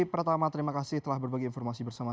pertama terima kasih telah berbagi informasi bersama